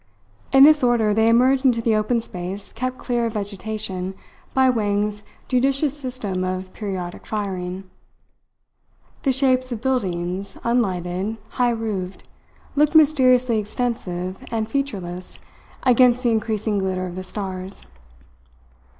In this order they emerged into the open space kept clear of vegetation by Wang's judicious system of periodic firing. The shapes of buildings, unlighted, high roofed, looked mysteriously extensive and featureless against the increasing glitter of the stars.